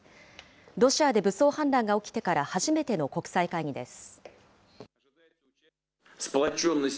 ロシアで武装反乱が起きてから初めての国際会議です。